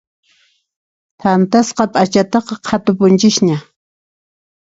Thantasqa p'achataqa qhatupunchisña.